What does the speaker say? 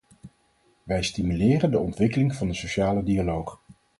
Wij stimuleren de ontwikkeling van de sociale dialoog.